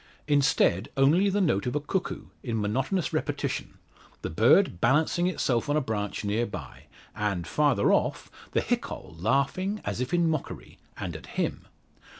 Instead only the note of a cuckoo, in monotonous repetition, the bird balancing itself on a branch near by; and, farther off, the hiccol, laughing, as if in mockery and at him!